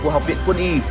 học viện quân y